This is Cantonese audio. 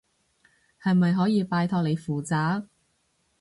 係咪可以拜託你負責？